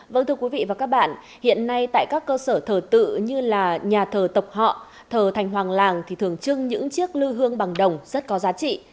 vâng thưa quý vị và các bạn hiện nay tại các cơ sở thờ tự như là nhà thờ tộc họ thờ thành hoàng làng thì thường trưng những chiếc lưu hương bằng đồng rất có giá trị